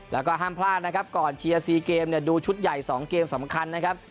แล้วก็ห้ามพลาดนะครับก่อนเชียร์๔เกมเนี่ยดูชุดใหญ่๒เกมสำคัญนะครับ